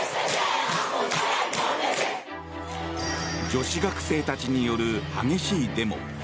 女子学生たちによる激しいデモ。